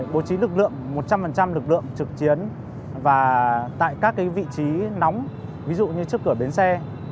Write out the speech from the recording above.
bố trí lực lượng một trăm linh lực lượng trực chiến và tại các vị trí nóng ví dụ như trước cửa bến xe